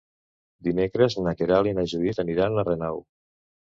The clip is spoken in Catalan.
Dimecres na Queralt i na Judit aniran a Renau.